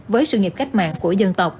với sự nghiệp cách mạng của dân tộc